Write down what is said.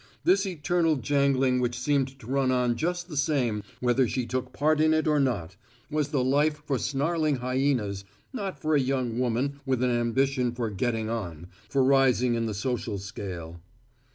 This eternal jangling which seemed to run on just the same whether she took part in it or not, was the life for snarling hyenas, not for a young woman with an ambition for "getting on," for rising in the social scale.